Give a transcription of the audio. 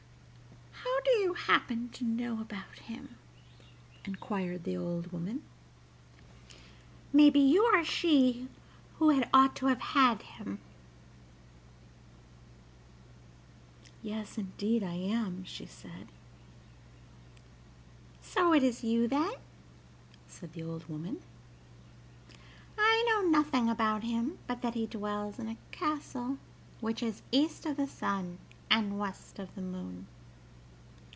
"How do you happen to know about him?" inquired the old woman; "maybe you are she who ought to have had him." "Yes, indeed, I am," she said. "So it is you, then?" said the old woman; "I know nothing about him but that he dwells in a castle which is east of the sun and west of the moon.